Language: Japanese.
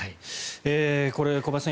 これ、小林さん